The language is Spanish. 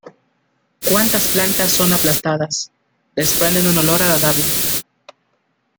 Cuántas plantas son aplastadas, desprenden un olor agradable.